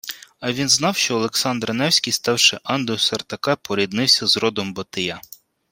А він знав, що Олександр Невський, ставши андою Сартака, поріднився з родом Батия